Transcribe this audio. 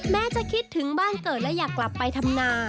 แม้จะคิดถึงบ้านเกิดและอยากกลับไปทำนา